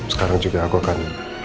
sekarang juga aku akan